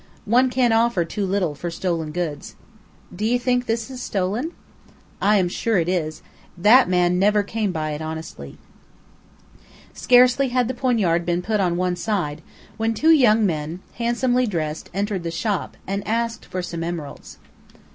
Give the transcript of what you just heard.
One can't offer too little for stolen goods." "Do you think this is stolen?" "I am sure it is. That man never came honestly by it." Scarcely had the poignard been put on one side, when two young men, handsomely dressed, entered the shop, and asked for some emeralds.